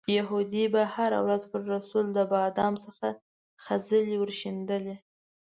یهودي به هره ورځ پر رسول د بام څخه خځلې ورشیندلې.